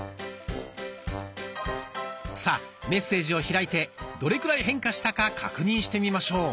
さあメッセージを開いてどれくらい変化したか確認してみましょう。